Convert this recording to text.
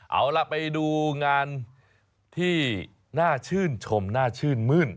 เอาล่ะไปดูงานที่น่าชื่นชมน่าชื่นมื้น